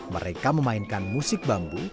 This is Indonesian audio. mereka memainkan musik bambu